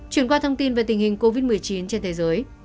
chuyển qua thông tin về tình hình covid một mươi chín trên thế giới